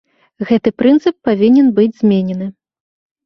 Гэты прынцып павінен быць зменены.